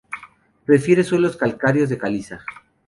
Prefiere suelos calcáreos de caliza.